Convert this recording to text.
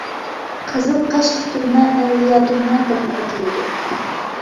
قىزىل قاشقا تۇرنا ئەۋلىيا تۇرنا دەپمۇ ئاتىلىدۇ.